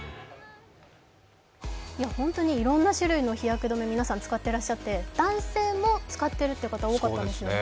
本当にいろんな種類の日焼け止め、皆さん使ってらっしゃって男性も使っているという方多かったんですよね。